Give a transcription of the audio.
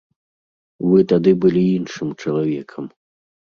Вы тады былі іншым чалавекам.